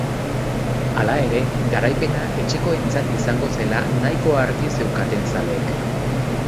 Hala ere, garaipena etxekoentzat izango zela nahiko argi zeuketan zaleek.